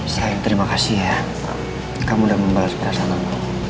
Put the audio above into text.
sayang terima kasih ya kamu udah membahas perasaan aku